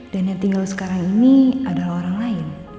dan yang tinggal sekarang ini adalah orang lain